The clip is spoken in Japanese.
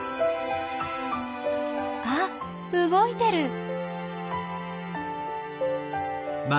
あっ動いてる！